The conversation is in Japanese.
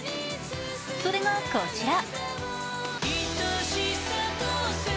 それがこちら。